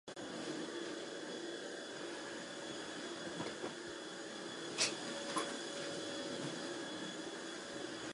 One of the best known foods of Romanian origin is Pastrama.